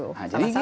nah jadi gini